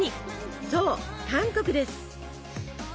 そう韓国です。